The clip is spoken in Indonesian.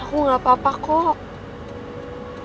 aku juga udah siap buat datang ke acara itu